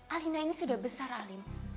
alina ini sudah besar alim